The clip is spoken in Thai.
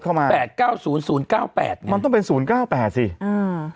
มาแปดเก้าศูนย์ศูนย์เก้าแปดมันต้องเป็นศูนย์เก้าแปดสิอืม